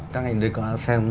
các anh đây có xem